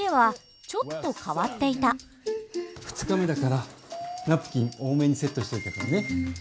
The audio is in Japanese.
この家は２日目だからナプキン多めにセットしといたからね。